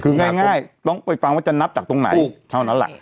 คือง่ายต้องไปฟังว่าจะนับจากตรงไหนเท่านั้นแหละ